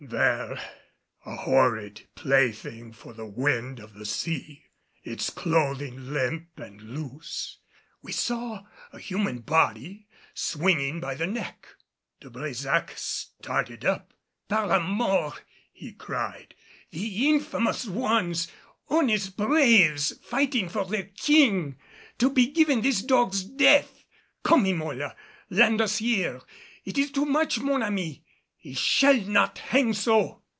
There, a horrid plaything for the wind of the sea, its clothing limp and loose, we saw a human body, swinging by the neck! De Brésac started up. "Par la Mort!" he cried. "The infamous ones! Honest braves, fighting for their King, to be given this dog's death! Come, Emola, land us here. It is too much, mon ami! He shall not hang so!"